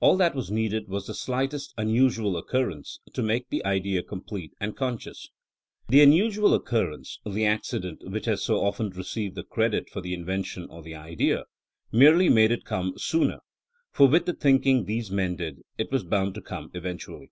All that was needed was the slightest unusual oc currence to make the idea complete and con scious. The unusual occurrence, the accident, which has so often received the credit for the invention or the idea, merely made it come sooner, for with the thinking these men did, it was bound to come eventually.